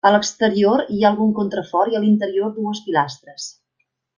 A l'exterior hi ha algun contrafort i a l'interior dues pilastres.